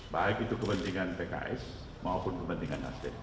baik itu kepentingan pks maupun kepentingan nasdem